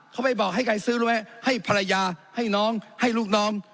เขาไม่บอกให้ใครซื้อรู้ไหมให้ภรรยาให้น้องให้ลูกน้อง